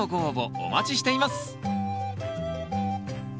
お待ちしています。